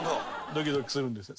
ドキドキするんですよ。